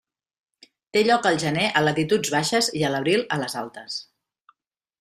Té lloc al gener a latituds baixes i a l'abril a les altes.